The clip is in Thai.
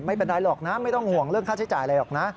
ไม่เป็นไรหรอกนะไม่ต้องห่วงเรื่องค่าใช้จ่ายอะไรหรอกนะ